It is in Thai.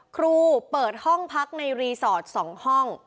ครูเปิดห้องพักในรีสอร์ท๒ห้อง